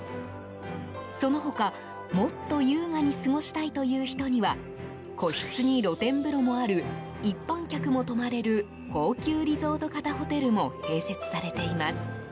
その他、もっと優雅に過ごしたいという人には個室に露天風呂もある一般客も泊まれる高級リゾート型ホテルも併設されています。